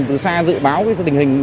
từ xa dự báo tình hình